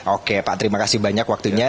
oke pak terima kasih banyak waktunya